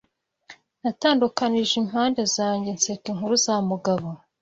Natandukanije impande zanjye nseka inkuru za Mugabo.